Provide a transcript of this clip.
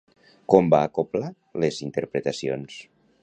Com va acoblar les interpretacions?